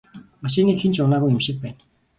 Машиныг хэн ч унаагүй юм шиг байна.